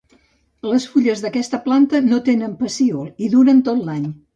Les fulles d'aquesta planta no tenen pecíol i duren tot l'any.